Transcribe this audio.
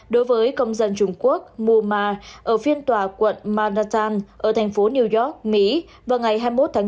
đối với công dân trung quốc mu ma ở phiên tòa quận manhattan ở thành phố new york mỹ vào ngày hai mươi một tháng bốn